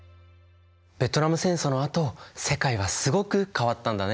ベトナム戦争のあと世界はすごく変わったんだね。